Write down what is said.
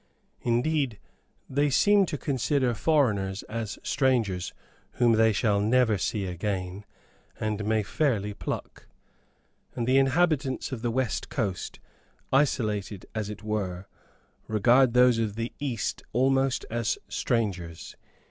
Indeed, they seem to consider foreigners as strangers whom they shall never see again, and may fairly pluck. And the inhabitants of the western coast, isolated, as it were, regard those of the east almost as strangers.